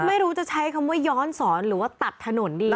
ไม่รู้จะใช้คำว่าย้อนสอนหรือว่าตัดถนนดี